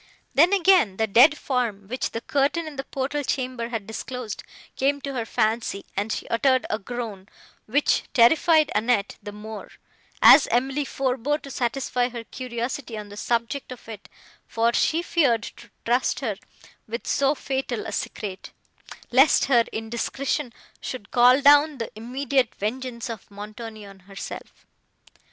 Then, again, the dead form, which the curtain in the portal chamber had disclosed, came to her fancy, and she uttered a groan, which terrified Annette the more, as Emily forbore to satisfy her curiosity, on the subject of it, for she feared to trust her with so fatal a secret, lest her indiscretion should call down the immediate vengeance of Montoni on herself.